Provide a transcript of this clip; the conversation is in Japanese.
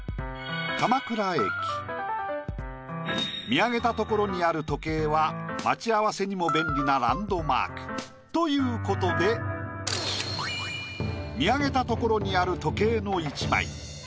見上げたところにある時計は待ち合わせにも便利なランドマーク。ということで見上げたところにある時計の一枚。